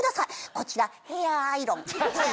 こちらヘアアイロン。